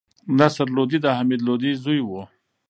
نصر لودي د حمید لودي زوی وو.